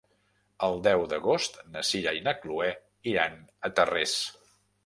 El deu d'agost na Sira i na Chloé iran a Tarrés.